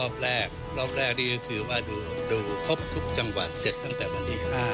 ้อบแรกร่วมแรกคือดูครบทุกจังหวัดเสร็จตั้งแต่วันที่๕